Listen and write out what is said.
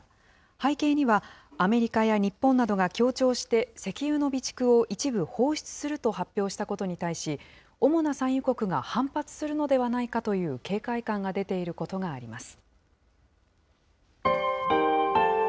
背景には、アメリカや日本などが協調して石油の備蓄を一部放出すると発表したことに対し、主な産油国が反発するのではないかという警戒感が出ていることがあります。